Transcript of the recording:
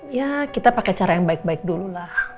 ya kita pakai cara yang baik baik dulu lah